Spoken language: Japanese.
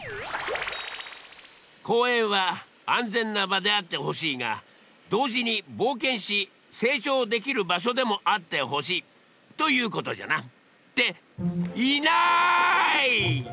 公園は安全な場であってほしいが同時に冒険し成長できる場所でもあってほしいということじゃな。っていない！